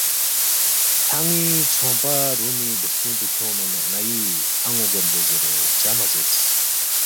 کھیان٘ی ژھونگپا رُومی بُوسترِنگ پو کھیونگما ن٘ئی ان٘و گوید لو زیرے چا مہ زیرس؟